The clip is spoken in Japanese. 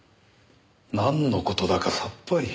なんの事だかさっぱり。